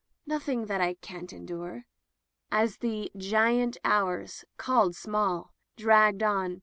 "Nothing that I can't endure." As the giant hours, called small, dragged on.